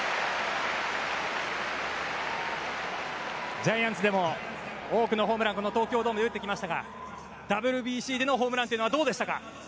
ジャイアンツでも多くのホームランをこの東京ドームで打ってきましたがＷＢＣでのホームランというのはどうでしたか？